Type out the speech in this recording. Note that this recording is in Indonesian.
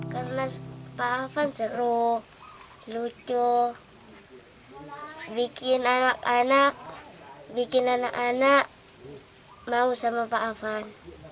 karena pak afan seru lucu bikin anak anak mau sama pak afan